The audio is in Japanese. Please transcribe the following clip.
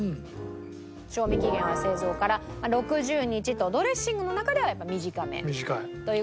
賞味期限は製造から６０日とドレッシングの中ではやっぱ短めという事なんですけれども。